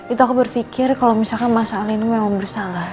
itu aku berpikir kalau misalkan mas al ini memang bersalah